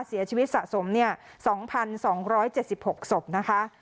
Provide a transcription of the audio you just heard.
เสียชีวิตสะสม๒๒๗๖ศพนะคะ